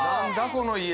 この家。